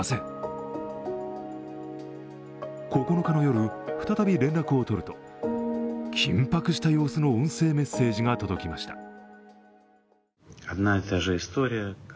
９日の夜、再び連絡を取ると緊迫した様子の音声メッセージが届きました。